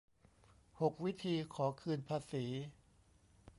หก วิธี ขอคืนภาษี